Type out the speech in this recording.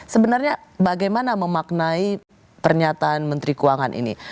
sebenarnya bagaimana memaknai pernyataan menteri keuangan ini